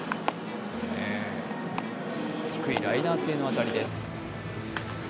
低いライナー性の当たりです。